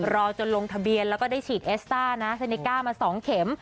รอจนลงทะเบียนแล้วก็ได้ฉีดเอสต้านะเซเนก้ามา๒เข็ม